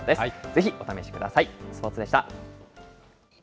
ぜひお試しください。